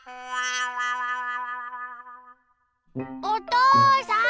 おとうさん！